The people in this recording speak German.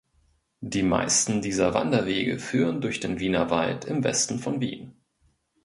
Die meisten dieser Wanderwege führen durch den Wienerwald im Westen von Wien.